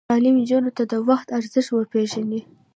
تعلیم نجونو ته د وخت ارزښت ور پېژني.